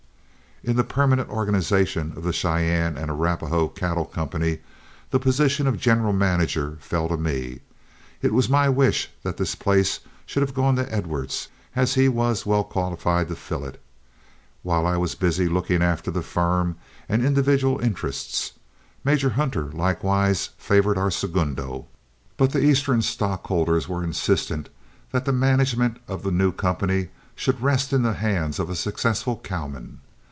In the permanent organization of The Cheyenne and Arapahoe Cattle Company, the position of general manager fell to me. It was my wish that this place should have gone to Edwards, as he was well qualified to fill it, while I was busy looking after the firm and individual interests. Major Hunter likewise favored our segundo, but the Eastern stockholders were insistent that the management of the new company should rest in the hands of a successful cowman.